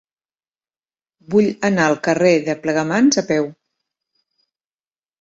Vull anar al carrer de Plegamans a peu.